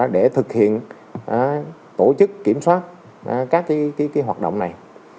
để thực hiện tổ chức kiểm soát các hoạt động này